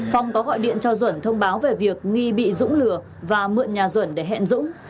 phong có gọi điện cho duẩn thông báo về việc nghi bị dũng lừa và mượn nhà duẩn để hẹn dũng